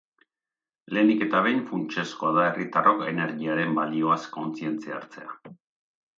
Lehenik eta behin funtsezkoa da herritarrok energiaren balioaz kontzientzia hartzea.